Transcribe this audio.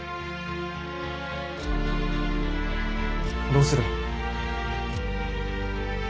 どうする？